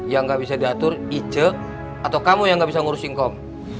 yang gak bisa diatur ico atau kamu yang gak bisa ngurus ngkom